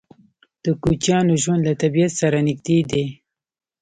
د کوچیانو ژوند له طبیعت سره نږدې دی.